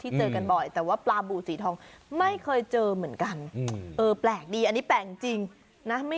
เจอกันบ่อยแต่ว่าปลาบูสีทองไม่เคยเจอเหมือนกันเออแปลกดีอันนี้แปลกจริงนะ